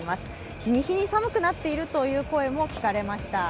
日に日に寒くなっているという声も聞かれました。